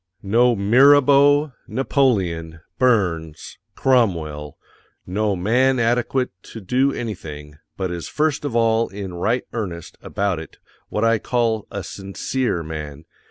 No MIRABEAU, NAPOLEON, BURNS, CROMWELL, NO man ADEQUATE to DO ANYTHING but is first of all in RIGHT EARNEST about it what I call A SINCERE _man.